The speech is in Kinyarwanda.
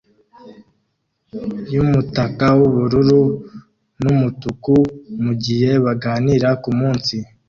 yumutaka wubururu numutuku mugihe baganira kumunsi